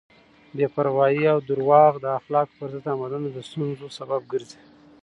بې پروایی او دروغ د اخلاقو پر ضد عملونه د ستونزو سبب ګرځي.